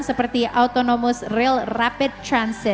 ia membutuhkan memberikan penghargaan